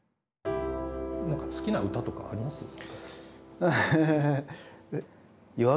好きな歌とかあります？